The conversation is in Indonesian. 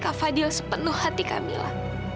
kak fadil sepenuh hati kamila